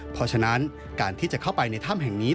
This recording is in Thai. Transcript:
เพราะฉะนั้นการที่จะเข้าไปในถ้ำแห่งนี้